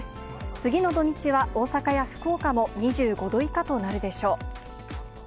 次の土日は、大阪や福岡も２５度以下となるでしょう。